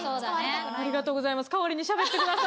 ありがとうございます。